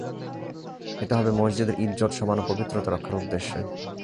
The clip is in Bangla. এটা হবে মসজিদের ইজ্জত-সম্মান ও পবিত্রতা রক্ষার উদ্দেশ্যে।